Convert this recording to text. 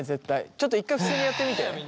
ちょっと１回普通にやってみて。